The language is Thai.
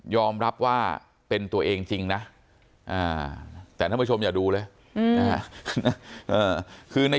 รับว่าเป็นตัวเองจริงนะแต่ท่านผู้ชมอย่าดูเลย